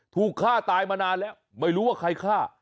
ถูกฆ่าตายมานานแล้วไม่รู้ว่าใครฆ่า